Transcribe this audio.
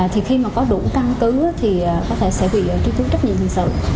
thì khi mà có đủ căn cứ thì có thể sẽ bị truy cứu trách nhiệm hình sự